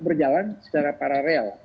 berjalan secara paralel